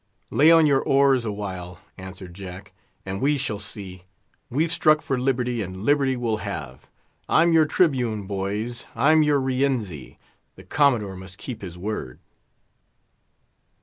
"Lay on your oars a while," answered Jack, "and we shall see; we've struck for liberty, and liberty we'll have! I'm your tribune, boys; I'm your Rienzi. The Commodore must keep his word."